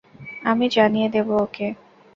আমি জানিয়ে দেবো ওকে।